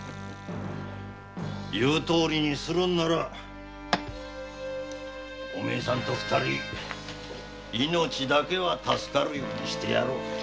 言うとおりにするならお前さんと二人命だけは助かるようにしてやろう。